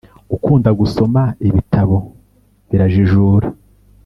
Gukunda gusoma ibitabo bira jijura